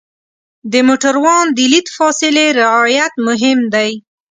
د موټروان د لید فاصلې رعایت مهم دی.